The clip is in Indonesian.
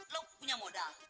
lo punya modal